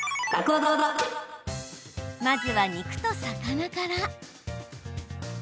まずは肉と魚から。